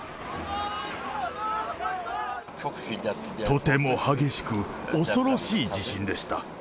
とても激しく恐ろしい地震でした。